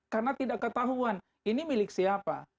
karena tidak ketahuan ini milik siapa